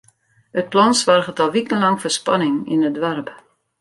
It plan soarget al wikenlang foar spanning yn it doarp.